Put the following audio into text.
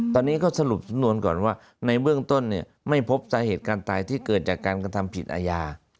ตอนนี้ก็สรุปสำนวนก่อนว่าในเบื้องต้นเนี่ยไม่พบสาเหตุการณ์ตายที่เกิดจากการกระทำผิดอาญา